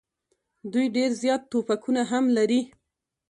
دوی ډېر زیات توپکونه هم لري.